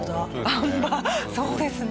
あん馬そうですね。